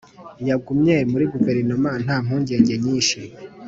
yagumye muri guverinoma, nta mpungenge nyinshi